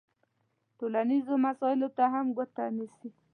ټولنیزو مسایلو ته هم ګوته نیسي.